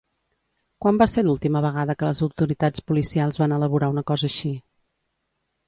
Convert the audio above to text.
Quan va ser l'última vegada que les autoritats policials van elaborar una cosa així?